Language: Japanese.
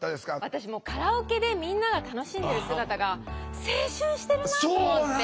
私もうカラオケでみんなが楽しんでる姿が青春してるなと思って。